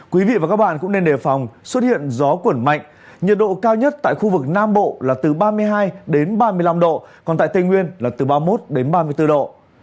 quý vị và các bạn cũng nên đề phòng xuất hiện gió quẩn mạnh nhiệt độ cao nhất tại khu vực nam bộ là từ ba mươi hai đến ba mươi năm độ còn tại tây nguyên là từ ba mươi một đến ba mươi bốn độ